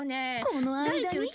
この間に。